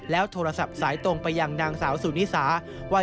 โทรศัพท์สายตรงไปยังนางสาวสุนิสาว่า